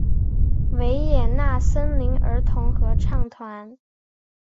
维也纳森林儿童合唱团。